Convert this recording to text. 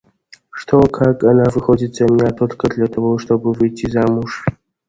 Что как она выходит за меня только для того, чтобы выйти замуж?